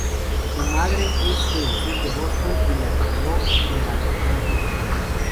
Su madre es del sur de Boston y la crio en la religión judía.